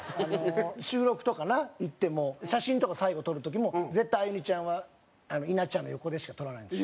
収録とか行っても写真とか最後撮る時も絶対アユニちゃんは稲ちゃんの横でしか撮らないんですよ。